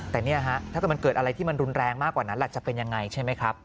แต่นี่ฮะถ้ามันเกิดอะไรที่รุนแรงมากกว่านั้นจะเป็นอย่างไรใช่ไหมครับ